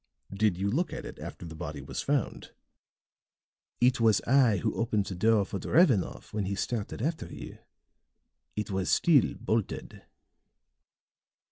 "Did you look at it after the body was found?" "It was I who opened the door for Drevenoff when he started after you. It was still bolted."